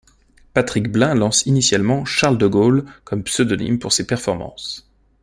Patrick Blain lance initialement Charles de Goal comme pseudonyme pour ses performances.